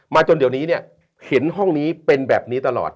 จนเดี๋ยวนี้เนี่ยเห็นห้องนี้เป็นแบบนี้ตลอด